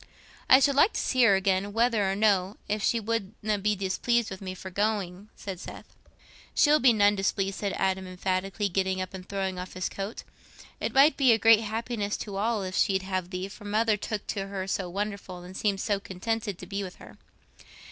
"I should like to see her again, whether or no, if she wouldna be displeased with me for going," said Seth. "She'll be none displeased," said Adam emphatically, getting up and throwing off his coat. "It might be a great happiness to us all if she'd have thee, for mother took to her so wonderful and seemed so contented to be with her."